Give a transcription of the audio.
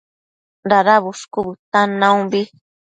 Dada bushcu bëtan naumbi